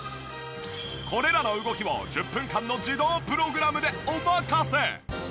これらの動きを１０分間の自動プログラムでお任せ。